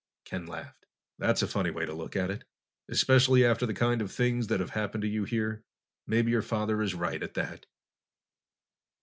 Ken laughed. "That's a funny way to look at it, especially after the kind of things that have happened to you here. Maybe your father is right, at that."